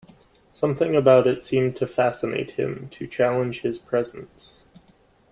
Something about it seemed to fascinate him, to challenge his presence.